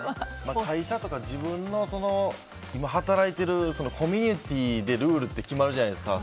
会社とか自分の働いてるコミュニティーでルールって決まるじゃないですか。